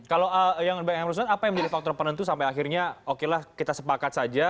kalau yang yang berusaha apa yang menjadi faktor penentu sampai akhirnya oke lah kita sepakat saja